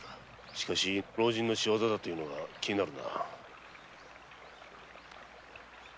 老人の仕業だというのが気になる。